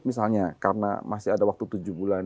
misalnya karena masih ada waktu tujuh bulan